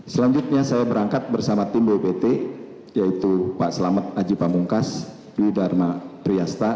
selanjutnya saya berangkat bersama tim bppt yaitu pak selamat aji pamungkas dwi dharma triasta